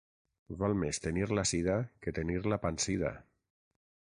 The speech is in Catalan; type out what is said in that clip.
Val més tenir la sida que tenir-la pansida.